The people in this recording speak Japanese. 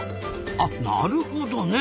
あなるほどね。